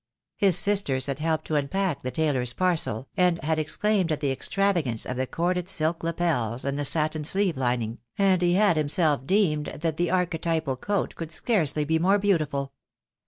His sisters had helped to unpack the tailor's parcel, and had ex claimed at the extravagance of the corded silk lapels and the satin sleeve lining, and he had himself deemed that the archetypal coat could scarcely be more beautiful.